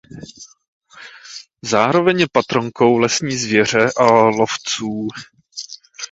Zároveň je patronkou lesní zvěře a lovců.